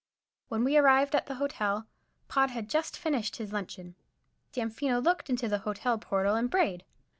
When we arrived at the Hotel, Pod had just finished his luncheon. Damfino looked into the hotel portal and brayed.